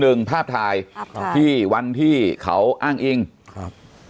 ภาพถ่ายครับที่วันที่เขาอ้างอิงครับ